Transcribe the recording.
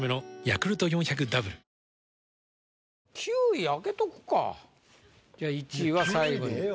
９位開けとくかじゃあ１位は最後に。